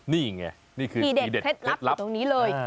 นี่ไงนี่คือทีเด็ดเคล็ดลับอยู่ตรงนี้เลย